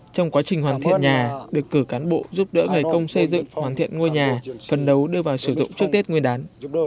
trong quá trình hoàn thiện nhà được cử cán bộ giúp đỡ ngày công xây dựng hoàn thiện ngôi nhà phần đấu đưa vào sử dụng trước tết nguyên đán